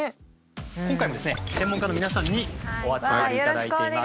今回もですね専門家の皆さんにお集まりいただいています。